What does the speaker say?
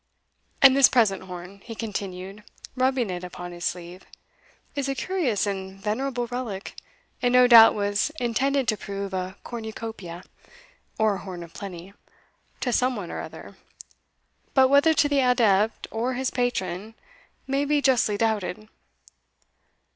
And this present horn," he continued, rubbing it upon his sleeve, "is a curious and venerable relic, and no doubt was intended to prove a cornucopia, or horn of plenty, to some one or other; but whether to the adept or his patron, may be justly doubted."